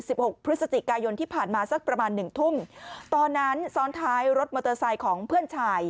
หกพฤศจิกายนที่ผ่านมาสักประมาณหนึ่งทุ่มตอนนั้นซ้อนท้ายรถมอเตอร์ไซค์ของเพื่อนชาย